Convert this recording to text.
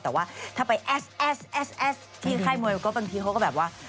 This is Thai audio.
แต่ว่าถ้าไปแอดแอสที่ค่ายมวยก็บางทีเขาก็แบบว่า